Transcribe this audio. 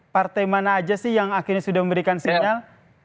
partai mana aja sih yang akhirnya sudah memberikan sinyal